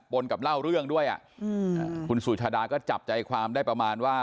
นกับเล่าเรื่องด้วยคุณสุชาดาก็จับใจความได้ประมาณว่า